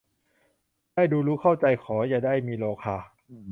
ได้ดูรู้เข้าใจ ขออย่าได้มีโรคา